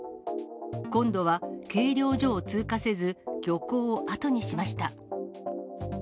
今度は計量所を通過せず、漁港を後にしました。